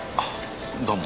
どうも。